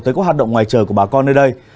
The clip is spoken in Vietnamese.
tới các hoạt động ngoài trời của bà con nơi đây